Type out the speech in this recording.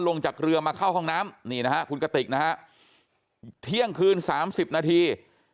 ลงจากเรือมาเข้าห้องน้ำนี่นะฮะคุณกติกนะฮะเที่ยงคืน๓๐นาที